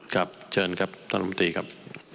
ครับเชิญครับท่านร้อยเอกธรรมนัฐพงภาวครับ